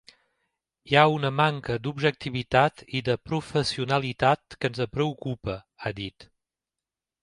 Hi ha una manca d’objectivitat i de professionalitat que ens preocupa, ha dit.